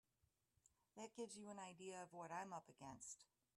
That gives you an idea of what I'm up against.